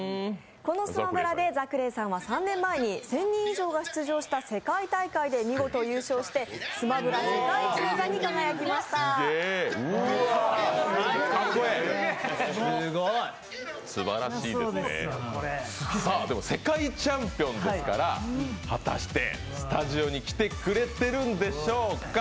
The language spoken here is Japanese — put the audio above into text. この「スマブラ」でＺａｃｋｒａｙさんは３年前に１０００人以上が出場した世界大会で見事優勝して、世界チャンピオンですから、果たしてスタジオに来てくれてるんでしょうか。